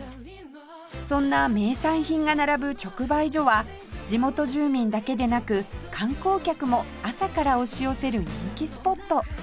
そんな名産品が並ぶ直売所は地元住民だけでなく観光客も朝から押し寄せる人気スポット